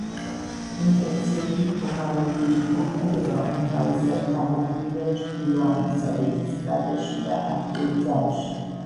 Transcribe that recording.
ინტენსიური ფუმაროლური მოქმედება უმთავრესად თავმოყრილია ჩრდილო-აღმოსავლეთის კრატერში და აქტიურ ძაბრში.